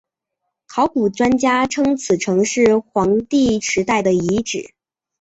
考古专家称此城是黄帝时代的遗址。